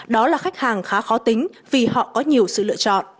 đó là khách hàng khá khó tính vì họ có nhiều sự lựa chọn